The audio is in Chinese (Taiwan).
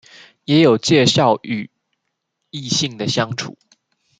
也有介紹與異性的相處